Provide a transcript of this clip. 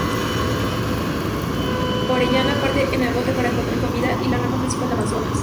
Orellana parte en un bote para encontrar comida y la rama principal del Amazonas.